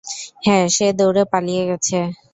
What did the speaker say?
হ্যাঁ, সে দৌড়ে পালিয়ে গেছে।